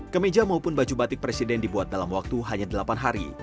kemeja maupun baju batik presiden dibuat dalam waktu hanya delapan hari